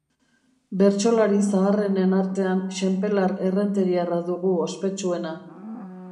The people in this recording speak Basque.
Bertsolari zaharrenen artean Xenpelar errenteriarra dugu ospetsuena